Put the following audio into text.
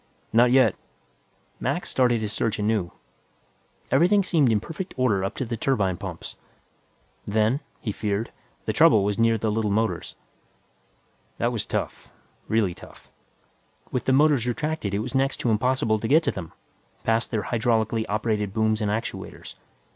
"Not yet." Mac started his search anew. Everything seemed in perfect order up to the turbine pumps. Then, he feared, the trouble was near the little motors. That was tough, really tough. With the motors retracted it was next to impossible to get to them, past their hydraulically operated booms and actuators.